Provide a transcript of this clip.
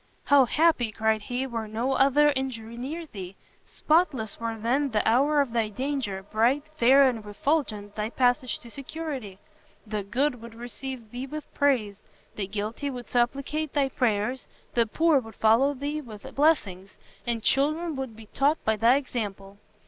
"How happy," cried he, "were no other injury near thee! spotless were then the hour of thy danger, bright, fair and refulgent thy passage to security! the Good would receive thee with praise, the Guilty would supplicate thy prayers, the Poor would follow thee with blessings, and Children would be taught by thy example!"